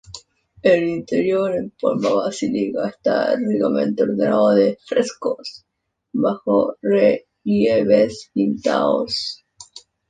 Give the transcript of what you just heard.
El interior, en forma de basílica, está ricamente ornado de frescos y bajorrelieves pintados.